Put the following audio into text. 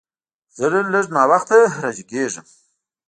زه نن لږ ناوخته راجیګیږم